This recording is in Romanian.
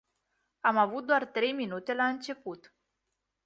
Am avut doar trei minute la început.